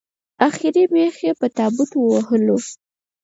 اخري مېخ یې په تابوت ووهلو